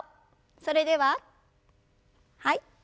それでははい。